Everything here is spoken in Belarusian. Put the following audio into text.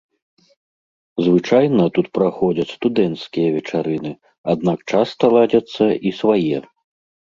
Звычайна тут праходзяць студэнцкія вечарыны, аднак часта ладзяцца і свае.